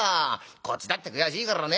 こっちだって悔しいからね